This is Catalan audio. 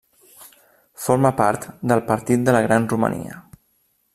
Forma part del Partit de la Gran Romania.